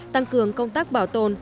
tăng cường công tác bảo tồn